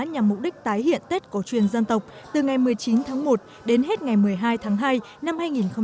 nhằm mục đích tái hiện tết cổ truyền dân tộc từ ngày một mươi chín tháng một đến hết ngày một mươi hai tháng hai năm hai nghìn hai mươi